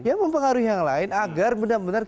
yang mempengaruhi yang lain agar benar benar